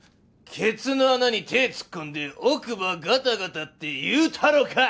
ケツの穴に手ぇ突っ込んで奥歯ガタガタって言うたろかい！